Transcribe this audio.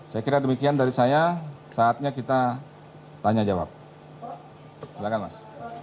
sekitar demikian dari saya saatnya kita tanya jawab silakan mas